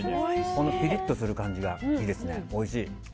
このピリッとする感じがいいですね、おいしい。